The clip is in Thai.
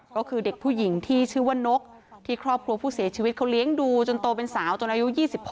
ก็คือเด็กผู้หญิงที่ชื่อว่านกที่ครอบครัวผู้เสียชีวิตเขาเลี้ยงดูจนโตเป็นสาวจนอายุ๒๖